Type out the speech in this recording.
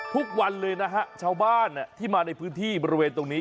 ทุกวันเลยนะฮะชาวบ้านที่มาในพื้นที่บริเวณตรงนี้